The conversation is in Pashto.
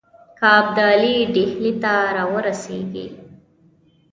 که ابدالي ډهلي ته را ورسیږي.